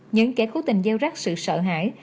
những kẻ cố tình gieo rắc sự sợ hãi